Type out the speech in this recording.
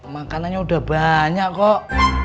makanannya udah banyak kok